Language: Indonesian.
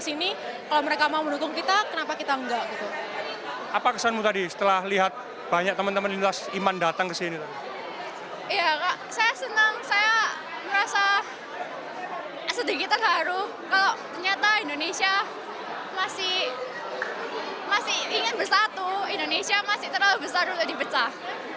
indonesia masih terlalu besar sudah dipecah